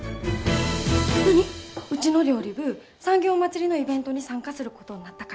うちの料理部産業まつりのイベントに参加することになったから。